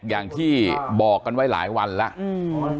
อย่างที่บอกกันไว้หลายวันแล้ว